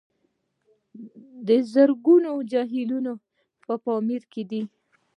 د زرکول جهیل په پامیر کې دی